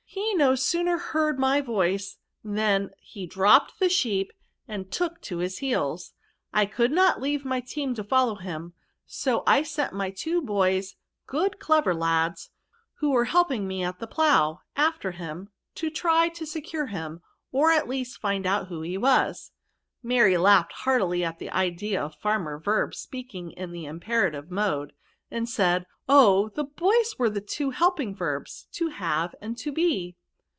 ' He no sooner beard my voice, than he dropped the sheep and YSRBS. S79 took to his heels* I could not leave my team to follow him ; so I sent my two boys, good devi^ lads, who were helping me at the plough^ after him, to try to secure him, or at leafit to find out who he was/" Jilary laughed heartily at the idea of £umer Verb speaking in the imperative mode ; and said, " Oh ! the boys were the two helping verbs, To Have and To Be."